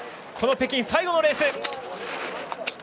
この北京、最後のレース。